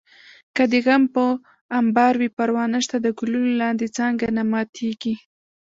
که دې غم په امبار وي پروا نشته د ګلونو لاندې څانګه نه ماتېږي